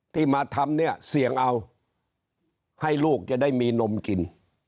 ที่มาทำเนี่ยเสี่ยงเอาให้ลูกจะได้มีนมกิน